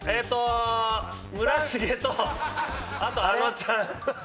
村重とあとあのちゃん。